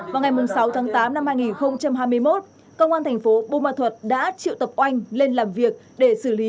vào ngày sáu tháng tám năm hai nghìn hai mươi một công an tp bùn ma thuật đã triệu tập oanh lên làm việc để xử lý